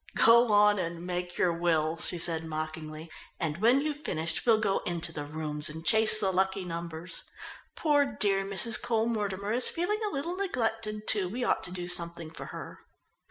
"Go on and make your will," she said mockingly. "And when you've finished we'll go into the rooms and chase the lucky numbers. Poor dear Mrs. Cole Mortimer is feeling a little neglected, too, we ought to do something for her."